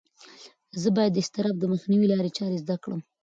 زه باید د اضطراب د مخنیوي لارې چارې زده کړم.